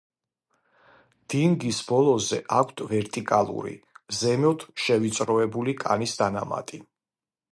დინგის ბოლოზე აქვთ ვერტიკალური, ზემოთ შევიწროებული კანის დანამატი.